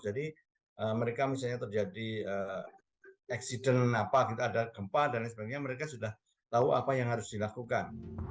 jadi mereka misalnya terjadi kempah dan lain sebagainya mereka sudah tahu apa yang harus dilakukan